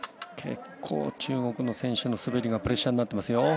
結構、中国の選手の滑りがプレッシャーになっています。